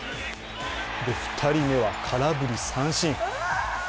２人目は空振り三振。